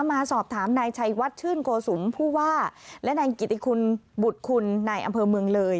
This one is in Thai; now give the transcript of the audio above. มาสอบถามนายชัยวัดชื่นโกสุมผู้ว่าและนายกิติคุณบุตรคุณนายอำเภอเมืองเลย